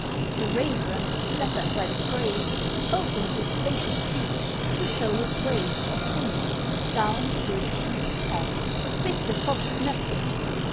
The Raven, flattered by the praise, Opened his spacious beak, to show his ways Of singing: down the good cheese fell. Quick the Fox snapped it.